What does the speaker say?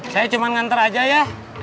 saya cuma ngantar aja ya